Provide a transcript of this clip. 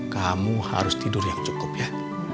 kamu harus tidur yang cukup ya